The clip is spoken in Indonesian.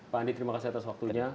pak andi terima kasih atas waktunya